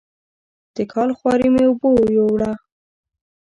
د کال خواري مې اوبو یووړه.